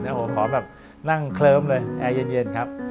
หนังเคลิ้มเลยแอร์เย็น